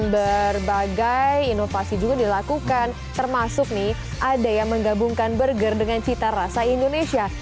berbagai inovasi juga dilakukan termasuk nih ada yang menggabungkan burger dengan cita rasa indonesia